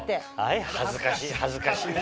あれ恥ずかしい恥ずかしい。